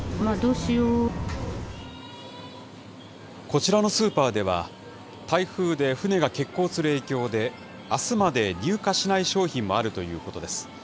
こちらのスーパーでは、台風で船が欠航する影響で、あすまで入荷しない商品もあるということです。